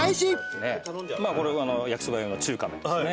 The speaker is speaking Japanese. これ焼きそば用の中華麺ですね。